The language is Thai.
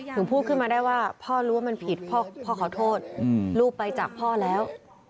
ถึงพูดขึ้นมาได้ว่าพ่อรู้ว่ามันผิดพ่อขอโทษลูกไปจากพ่อแล้ว